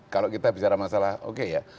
kalau kita bicara masalah oke ya